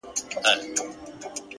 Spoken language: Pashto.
علم د پرمختګ بنسټیز عنصر دی’